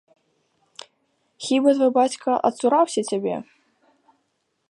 Хіба твой бацька адцураўся цябе?